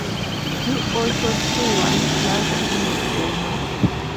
He also threw one slider in the game.